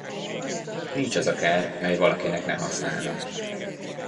Nincs az a kár, mely valakinek ne használna.